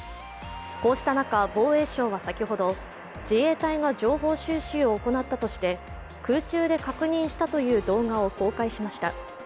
こうした中、防衛省は先ほど、自衛隊が情報収集を行ったとして空中で確認したという動画を公開しました。